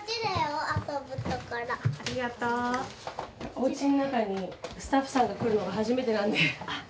おうちの中にスタッフさんが来るのが初めてなんで。